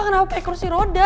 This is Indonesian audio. kenapa kursi roda